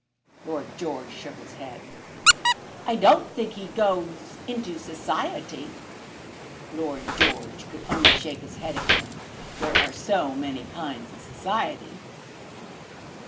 Lord George shook his head. "I don't think he goes into society." Lord George could only shake his head again. There are so many kinds of society!